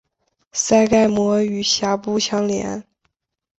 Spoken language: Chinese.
腮盖膜与峡部相连。